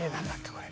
これ。